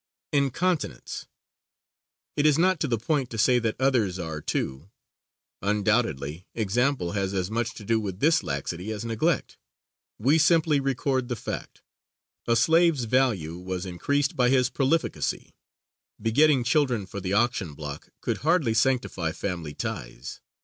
Incontinence. It is not to the point to say that others are, too. Undoubtedly, example has as much to do with this laxity as neglect. We simply record the fact. A slave's value was increased by his prolificacy. Begetting children for the auction block could hardly sanctify family ties.